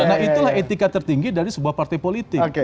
nah itulah etika tertinggi dari sebuah partai politik